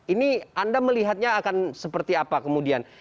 ini anda melihatnya akan seperti apa kemudian